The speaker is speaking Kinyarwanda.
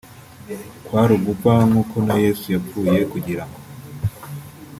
kwari ugupfa nk’uko na Yesu yapfuye kugira ngo